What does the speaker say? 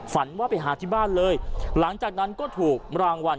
ฝันว่าไปหาที่บ้านเลยหลังจากนั้นก็ถูกรางวัล